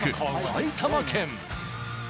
埼玉県。